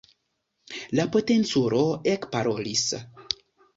La potenculo ekparolis.